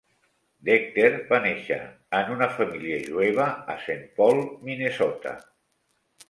Decter va néixer en una família jueva a Saint Paul, Minnesota.